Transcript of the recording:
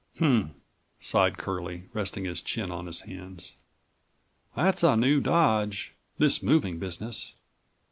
"Hm," sighed Curlie, resting his chin on his hands. "That's a new dodge, this moving business.